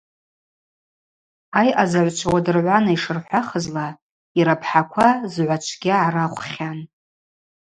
Айъазагӏвчва уадыргӏвана йшырхӏвахызла, йрапхӏаква згӏвачвгьа гӏарахвхьан.